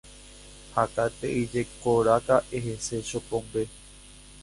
Hakate'ỹjekoraka'e hese Chopombe.